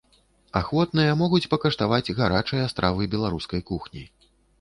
Ахвотныя могуць пакаштаваць гарачыя стравы беларускай кухні.